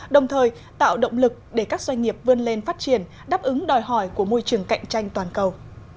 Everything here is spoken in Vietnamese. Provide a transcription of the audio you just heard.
đồng thời tạo động lực để các doanh nghiệp vươn lên phát triển đáp ứng đòi hỏi của môi trường cạnh tranh toàn cầu